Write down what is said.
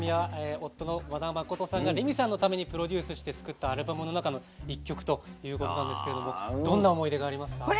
夫の和田誠さんがレミさんのためにプロデュースして作ったアルバムの中の１曲ということなんですがどんな思い出がありますか？